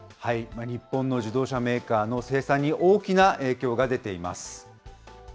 日本の自動車メーカーの生産に大きな影響が出ています。